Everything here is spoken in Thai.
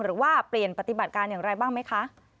หรือว่าเปลี่ยนปฏิบัติการอย่างไรบ้างไหมคะ